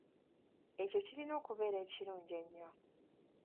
Ekyo kirina okubeera ekirungi ennyo.